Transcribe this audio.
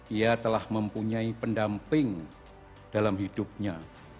ia telah mempunyai pendamping dalam hidupnya